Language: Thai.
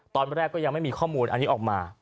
ตอนแรกก็ยังไม่มีข้อมูลอันนี้ออกมา